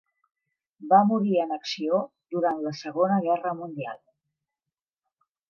Va morir en acció durant la Segona Guerra Mundial.